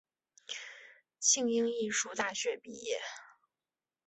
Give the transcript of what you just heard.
庆应义塾大学毕业。